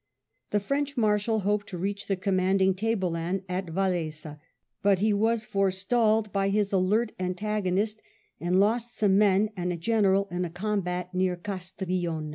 The French Marshal hoped to reach the commanding table land at Vallesa, but he was forestalled by his alert antagonist and lost some men and a general in a combat near Castrillon.